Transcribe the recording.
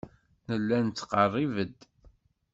Nella nettqerrib-d.